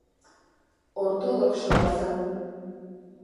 Ortodoxoa zen.